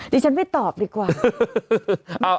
ฉันไม่ตอบดีกว่า